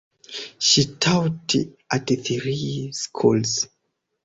She taught at three schools.